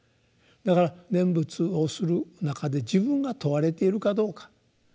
だから念仏をする中で自分が問われているかどうか。